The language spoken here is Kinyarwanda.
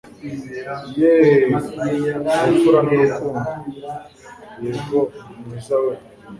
yeee ubupfura n'urukundo (yego mwiza we